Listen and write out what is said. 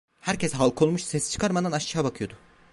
Herkes halka olmuş, ses çıkarmadan, aşağı bakıyordu.